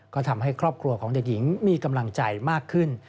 ก็ทำให้ครอบครัวของเด็กหญิงมีกำลังใจมากขึ้น